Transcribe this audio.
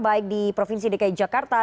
baik di provinsi dki jakarta